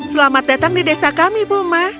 selamat datang di desa kami buma